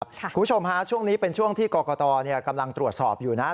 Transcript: คุณผู้ชมฮะช่วงนี้เป็นช่วงที่กรกตกำลังตรวจสอบอยู่นะครับ